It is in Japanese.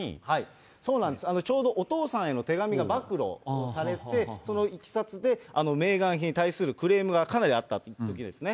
そうなんです、ちょうどお父さんへの手紙が暴露をされて、そのいきさつでメーガン妃に対するクレームがかなりあったときですね。